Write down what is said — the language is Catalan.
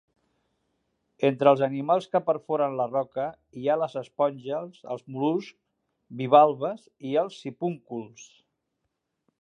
Entre els animals que perforen la roca hi ha les esponges, els mol·luscs bivalves i els sipúnculs.